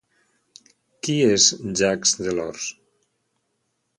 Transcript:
Qui és Jacques Delors?